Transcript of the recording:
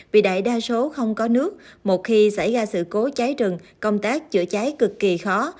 vì đại đa số không có nước một khi xảy ra sự cố cháy rừng công tác chữa cháy cực kỳ khó